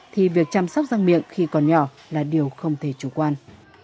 thì việc chăm sóc răng miệng khi còn nhỏ là điều không thể chủ quan